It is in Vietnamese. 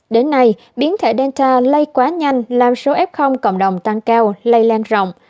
đến nay biến thể dentra lây quá nhanh làm số f cộng đồng tăng cao lây lan rộng